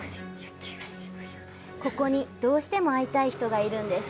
ここに、どうしても会いたい人がいるんです。